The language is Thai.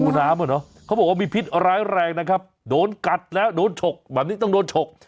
น้ำอ่ะเนอะเขาบอกว่ามีพิษร้ายแรงนะครับโดนกัดแล้วโดนฉกแบบนี้ต้องโดนฉก